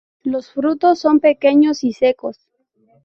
Los frutos son pequeños y secos.